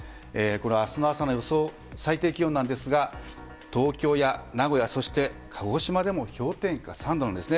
明日朝の予想、最低気温ですが東京や名古屋、鹿児島でも氷点下３度なんですね。